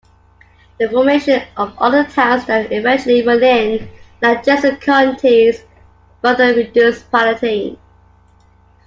The formation of other towns that eventually were in adjacent counties further reduced Palatine.